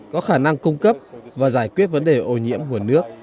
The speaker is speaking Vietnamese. có khả năng cung cấp và giải quyết vấn đề ô nhiễm nguồn nước